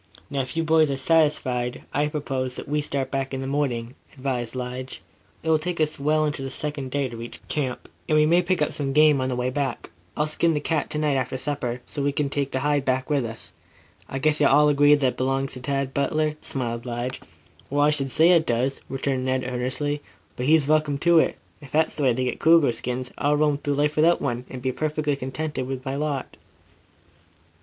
"Now, if you boys are satisfied, I propose that we start back in the morning," advised Lige. "It will take us well into the second day to reach camp, and we may pick up some game on the way back. I'll skin the cat to night after supper, so we can take the hide back with us. I guess you'll all agree that it belongs to Tad Butler?" smiled Lige. "Well, I should say it does," returned Ned earnestly. "But he's welcome to it. If that's the way they get cougar skins, I'll roam through life without one, and be perfectly contented with my lot."